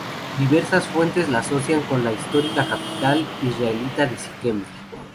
Diversas fuentes la asocian con la histórica capital israelita de Siquem.